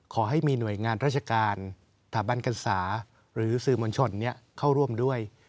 ขอให้มีหน่วยงานราชการสถาบันกษาหรือสื่อมวลชนเข้าร่วมด้วย